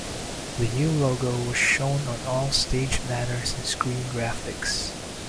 The new logo was shown on all stage banners and screen graphics.